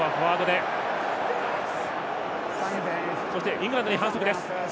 イングランドに反則です。